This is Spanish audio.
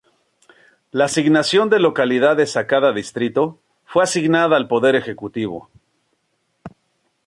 La asignación de localidades a cada distrito fue asignada al Poder Ejecutivo.